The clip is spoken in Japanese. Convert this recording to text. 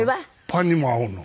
パンにも合うの。